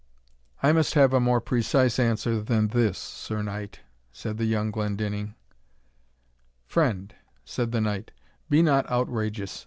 "I must have a more precise answer than this, Sir Knight," said the young Glendinning. "Friend," said the knight, "be not outrageous.